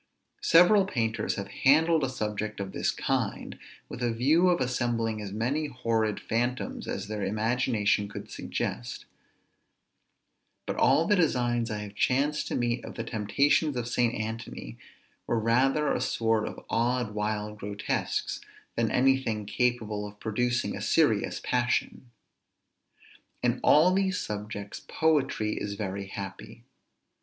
Several painters have handled a subject of this kind, with a view of assembling as many horrid phantoms as their imagination could suggest; but all the designs I have chanced to meet of the temptations of St. Anthony were rather a sort of odd, wild grotesques, than any thing capable of producing a serious passion. In all these subjects poetry is very happy.